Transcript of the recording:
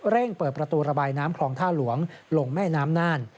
เปิดประตูระบายน้ำคลองท่าหลวงลงแม่น้ำน่าน